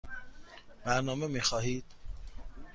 برنامه می خواهید؟